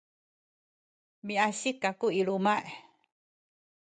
miasik kaku i luma’.